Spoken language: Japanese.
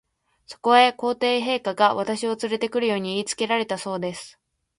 そこへ、皇帝陛下が、私をつれて来るよう言いつけられたのだそうです。